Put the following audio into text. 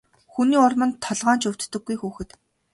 Хүний урманд толгой нь ч өвддөггүй хүүхэд.